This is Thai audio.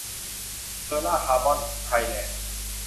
เบอร์ล่า คาร์บอน ไทยแลนด์